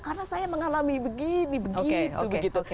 karena saya mengalami begini begitu